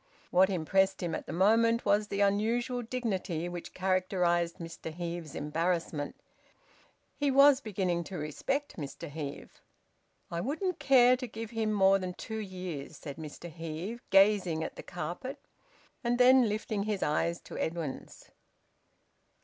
What impressed him at the moment was the unusual dignity which characterised Mr Heve's embarrassment. He was beginning to respect Mr Heve. "I wouldn't care to give him more than two years," said Mr Heve, gazing at the carpet, and then lifting his eyes to Edwin's.